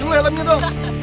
jangan jangan jangan